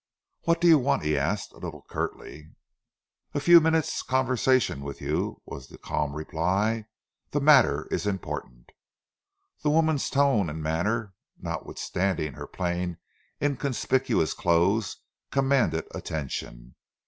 "What do you want?" he asked, a little curtly. "A few minutes' conversation with you," was the calm reply. "The matter is important." The woman's tone and manner, notwithstanding her plain, inconspicuous clothes, commanded attention.